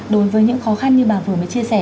đối với những khó khăn như bà vừa mới chia sẻ